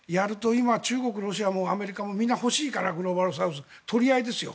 今、中国、ロシアもアメリカもみんな欲しいからグローバルサウス取り合いですよ。